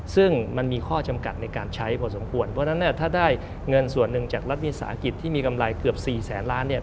ซึ่งมันมีข้อจำกัดในการใช้พอสมควรเพราะฉะนั้นเนี่ยถ้าได้เงินส่วนหนึ่งจากรัฐวิสาหกิจที่มีกำไรเกือบ๔แสนล้านเนี่ย